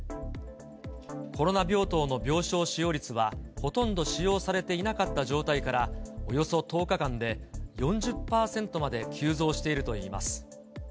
コロナ病棟の病床使用率は、ほとんど使用されていなかった状態から、およそ１０日間で、４０％まで急増しているといいます。